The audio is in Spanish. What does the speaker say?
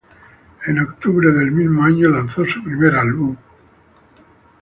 En octubre del mismo año, lanzó su primer álbum "重生".